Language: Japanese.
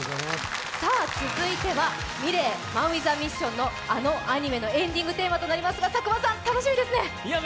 続いてはｍｉｌｅｔ×ＭＡＮＷＩＴＨＡＭＩＳＳＩＯＮのあのアニメのエンディングテーマとなりますが、楽しみですね。